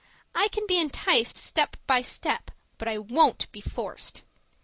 I can be enticed step by step, but I WON'T be forced.